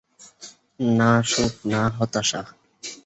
না সুখ না হতাশা।